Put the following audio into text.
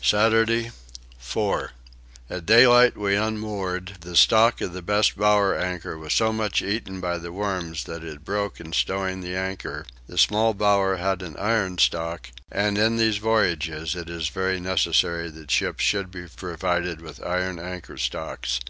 Saturday 4. At daylight we unmoored: the stock of the best bower anchor was so much eaten by the worms that it broke in stowing the anchor: the small bower had an iron stock, and in these voyages it is very necessary that ships should be provided with iron anchor stocks.